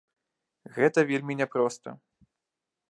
Гэта вельмі не проста.